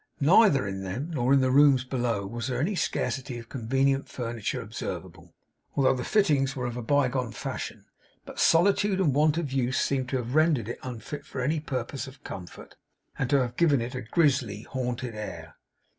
Neither in them, nor in the rooms below, was any scarcity of convenient furniture observable, although the fittings were of a bygone fashion; but solitude and want of use seemed to have rendered it unfit for any purposes of comfort, and to have given it a grisly, haunted air.